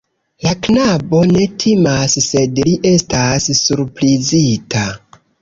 La knabo ne timas, sed li estas surprizita.